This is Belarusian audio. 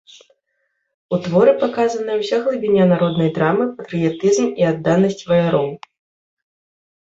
У творы паказаная ўся глыбіня народнай драмы, патрыятызм і адданасць ваяроў.